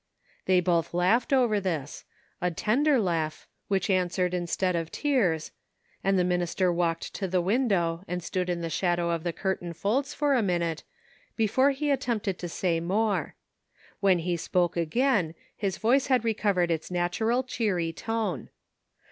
They both laughed over this — a tender laugh which answered instead of tears, and the minister walked to the win dow and stood in the shadow of the curtain folds for a minute, before he attempted to say more. When he spoke again, his voice had recovered its natural cheery tone.